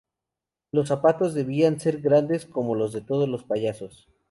Los zapatos debían ser grandes, como los de todos los payasos.